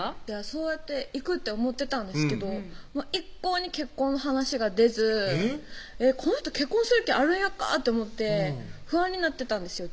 そうやっていくって思ってたんですけど一向に結婚の話が出ずこの人結婚する気あるんやっか？と思って不安になってたんですよ